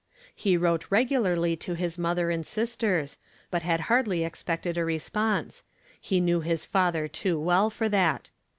He wrote regularly to his mother and sis ters, but had hardly expected a response ; he knew his father too well for that.